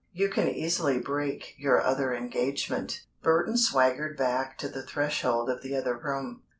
You can easily break your other engagement." Burton swaggered back to the threshold of the other room.